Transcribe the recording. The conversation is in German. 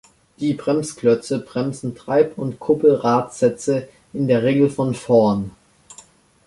Die Bremsklötze bremsen Treib- und Kuppelradsätze in der Regel von vorn.